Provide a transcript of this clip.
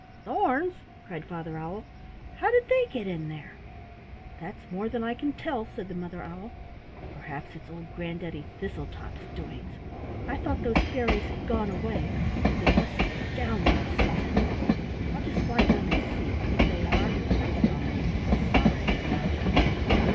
"Thorns!" cried Father Owl. "How did they get in there?" "That's more than I can tell," said the Mother Owl. "Perhaps it's old Granddaddy Thistletop's doings. I thought those fairies had gone away, but they must be down there still. I'll just fly down and see, and if they are, I'll make them sorry enough."